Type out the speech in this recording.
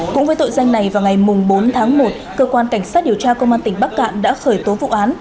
cũng với tội danh này vào ngày bốn tháng một cơ quan cảnh sát điều tra công an tỉnh bắc cạn đã khởi tố vụ án